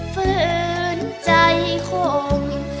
ฝืนใจข่ม